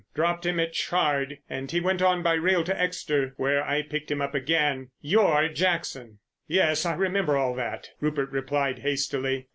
Dropped him at Chard, and he went on by rail to Exeter, where I picked him up again—you're Jackson!" "Yes, I remember all that," Rupert replied hastily.